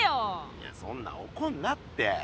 いやそんなおこんなって。